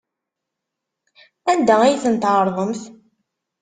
Anda ay tent-tɛerḍemt?